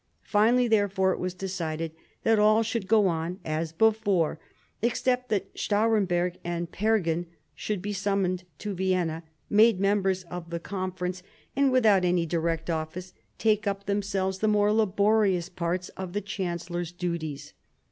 Finally, therefore, it was decided that all should go on as before, except that Stahremberg and Pergen should be summoned to Vienna, made members of the Con ference, and, without any direct office, take upon them selves the more laborious parts of the chancellor's duties.